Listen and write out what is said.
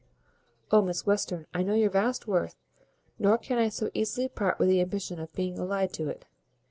O! Miss Western, I know your vast worth, nor can I so easily part with the ambition of being allied to it.